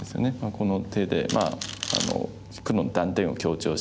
この手で黒の断点を強調して。